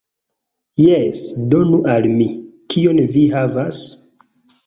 Jes, donu al mi. Kion vi havas?